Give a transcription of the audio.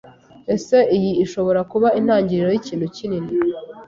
Ese iyi ishobora kuba intangiriro yikintu kinini?